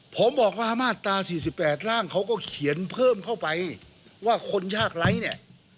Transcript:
ผมบอกว่ามาตรา๔๘ร่างเขาก็เขียนเพิ่มเข้าไปว่าคนยากไร้เนี่ย